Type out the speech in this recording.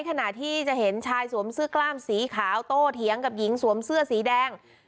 ขณะที่จะเห็นชายสวมเสื้อกล้ามสีขาวโตเถียงกับหญิงสวมเสื้อสีแดง